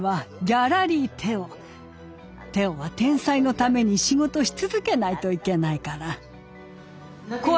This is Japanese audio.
テオは天才のために仕事し続けないといけないから。